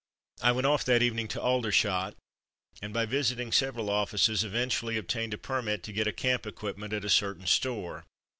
I went off that evening to Aldershot, and by \jL. visiting several oflftces, ^^ eventually obtained a permit to get a camp equipment at a certain store.